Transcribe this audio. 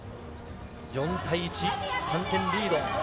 ４対１、３点リード。